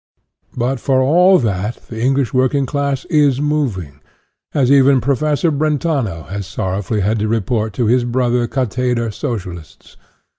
But for all that the Eng lish working class is moving, as even Professor Brentano has sorrowfully had to report to his brother Katheder Socialists.